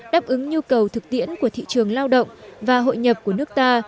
đáp ứng nhu cầu thực tiễn của thị trường lao động và hội nhập của nước ta